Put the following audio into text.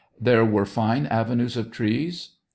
There were fine avenues of trees